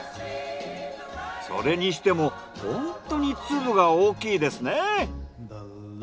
それにしてもホントに粒が大きいですね。